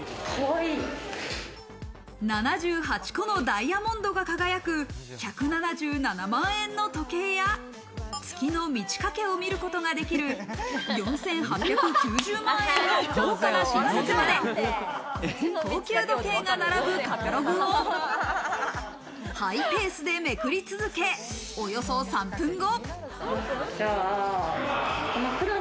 ７８個のダイヤモンドが輝く１７７万円の時計や、月の満ち欠けを見ることができる４８９０万円の豪華な新作まで、高級時計が並ぶカタログをハイペースでめくり続け、およそ３分後。